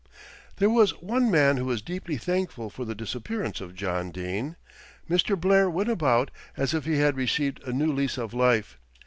There was one man who was deeply thankful for the disappearance of John Dene. Mr. Blair went about as if he had received a new lease of life.